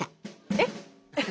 えっ？